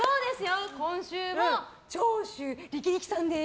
今週も長州力さんです。